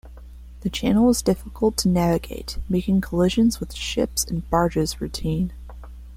The channel was difficult to navigate, making collisions with ships and barges routine.